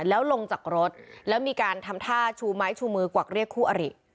แล้วลงจากรถแล้วมีการทำท่าชูไม้ชูมือกวักเรียกคู่อริ